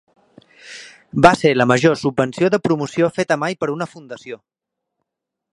Va ser la major subvenció de promoció feta mai per una fundació.